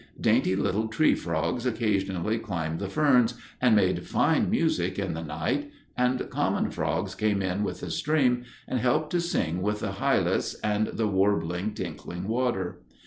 Dainty little tree frogs occasionally climbed the ferns and made fine music in the night, and common frogs came in with the stream and helped to sing with the Hylas and the warbling, tinkling water.